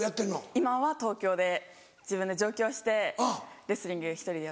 今は東京で自分で上京してレスリング１人でやってます。